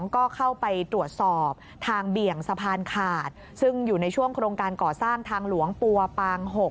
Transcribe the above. ก็เข้าไปตรวจสอบทางเบี่ยงสะพานขาดซึ่งอยู่ในช่วงโครงการก่อสร้างทางหลวงปัวปาง๖